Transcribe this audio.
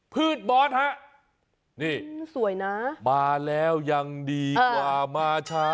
ืดบอสฮะนี่สวยนะมาแล้วยังดีกว่ามาช้า